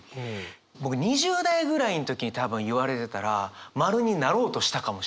僕２０代ぐらいの時に多分言われてたら円になろうとしたかもしれないです。